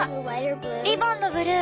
リボンのブルー